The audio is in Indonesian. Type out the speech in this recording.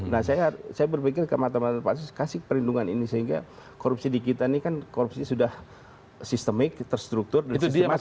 nah saya berpikir ke mata mata pansus kasih perlindungan ini sehingga korupsi di kita ini kan korupsi sudah sistemik terstruktur dan sistematis